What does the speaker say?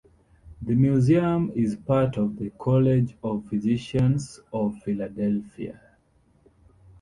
The museum is part of The College of Physicians of Philadelphia.